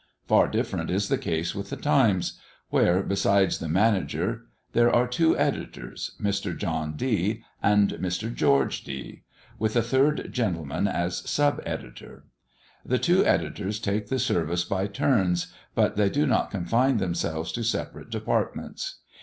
Far different is the case with the Times, where, besides the manager, there are two editors Mr. John D and Mr. George D , with a third gentleman as sub editor. The two editors take the service by turns, but they do not confine themselves to separate departments.